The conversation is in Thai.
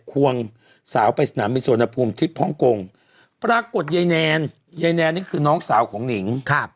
ควงสาวไปสนามมิสวนภูมิคลิปฮ่องกงปรากฏใยแนนใยแนนนี่คือน้องสาวของหลิง